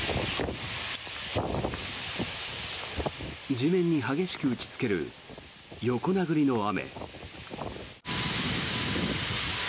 地面に激しく打ちつける横殴りの雨。